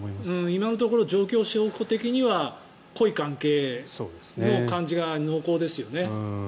今のところ状況証拠的には濃い関係の感じが濃厚ですよね。